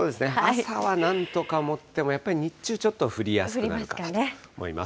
朝はなんとかもっても、やっぱり日中ちょっと降りやすくなると思います。